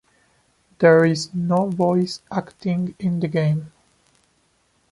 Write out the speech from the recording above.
There is no voice acting in the game.